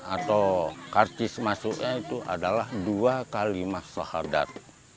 atau kartis masuknya itu adalah dua kalimah sahadat